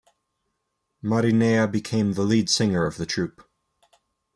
Marinella became the lead singer of the troupe.